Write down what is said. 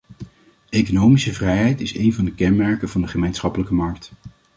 Economische vrijheid is één van de kenmerken van de gemeenschappelijke markt.